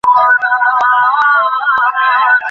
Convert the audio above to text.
আবার পায়ের শব্দ শুনে অতীন চমকে উঠে থামল।